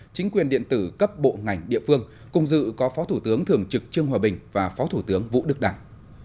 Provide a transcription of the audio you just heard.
chính quyền điện tử cấp bộ ngành địa phương cùng dự có phó thủ tướng thường trực trương hòa bình và phó thủ tướng vũ đức đảng